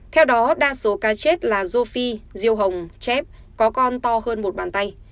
theo đó đa số cá chết là ru phi riêu hồng chép có con to hơn một bàn tay